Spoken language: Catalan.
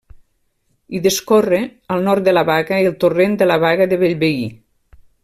Hi discorre, al nord de la baga, el torrent de la Baga de Bellveí.